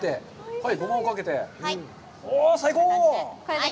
はい。